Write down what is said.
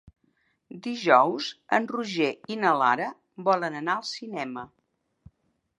Dijous en Roger i na Lara volen anar al cinema.